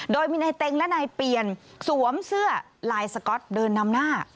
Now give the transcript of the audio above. โดยมีนายเต็งและนายเปียนสวมเสื้อลายสก๊อตเดินนำหน้า